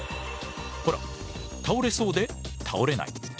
ほら倒れそうで倒れない。